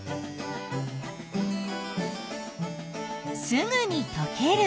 すぐにとける。